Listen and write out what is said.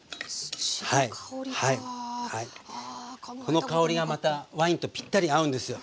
この香りがまたワインとぴったり合うんですよ。